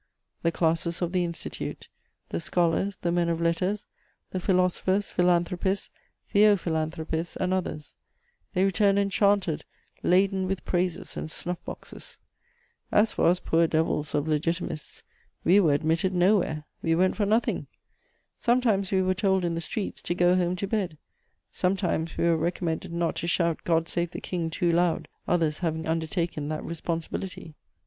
The classes of the Institute, the scholars, the men of letters, the philosophers, philanthropists, theophilanthropists and others; they returned enchanted, laden with praises and snuff boxes. As for us poor devils of Legitimists, we were admitted nowhere; we went for nothing. Sometimes we were told, in the streets, to go home to bed; sometimes we were recommended not to shout "God Save the King!" too loud, others having undertaken that responsibility.